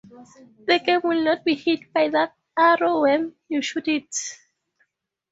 The game will not be hit by that arrow when you shoot it.